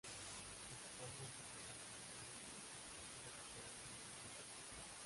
España se adueñó del reducto y recuperó el control de la isla.